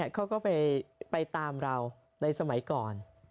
เขาก็ไปตามเราในสมัยก่อน